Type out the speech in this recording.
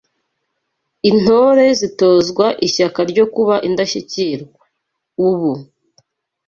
Intore zitozwa Ishyaka ryo kuba Indashyikirwa. Ubu